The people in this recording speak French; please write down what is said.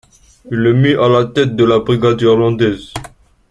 Il est mis à la tête de la Brigade irlandaise.